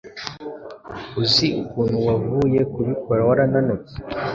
Uzi ukuntu wavuye kubikora warananutse,